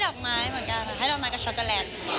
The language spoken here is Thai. รอกให้ตายใจนิดหนึ่ง